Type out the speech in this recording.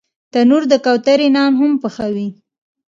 تنور د کوترې نان هم پخوي